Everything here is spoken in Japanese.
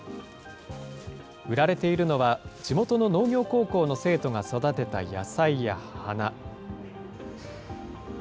売られているのは地元の農業高校の生徒が育てた野菜や花。